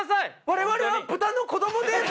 我々は豚の子どもです！